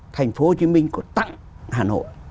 thành phố hồ chí minh có tặng hà nội